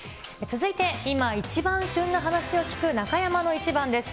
続いて、今一番旬な話を聞く、中山のイチバンです。